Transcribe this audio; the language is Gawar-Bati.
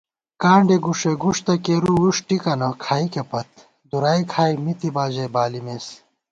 کانڈےگُݭےگُݭ تہ کېرُو وُݭٹِکَنہ کھائیکےپت دُرائےکھائی مِتِبا ژَئی بالِمېس